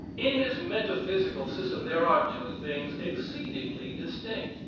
In his metaphysical system there are two things exceedingly distinct.